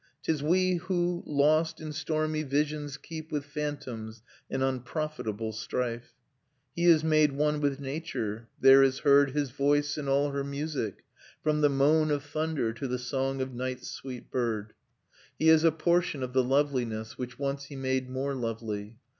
'Tis we who, lost in stormy visions, keep With phantoms an unprofitable strife. "He is made one with Nature. There is heard His voice in all her music, from the moan Of thunder, to the song of night's sweet bird. "He is a portion of the loveliness Which once he made more lovely.